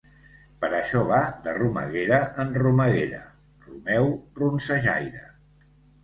Per això va de romeguera en romeguera, romeu ronsejaire.